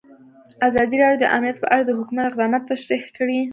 ازادي راډیو د امنیت په اړه د حکومت اقدامات تشریح کړي.